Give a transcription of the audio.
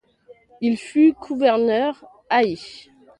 Il fut gouverneur a.i.